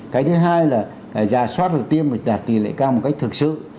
cái thứ hai là gia soát được tiêm phải đạt tỷ lệ cao một cách thực sự